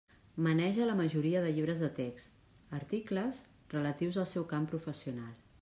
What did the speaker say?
Maneja la majoria de llibres de text, articles, relatius al seu camp professional.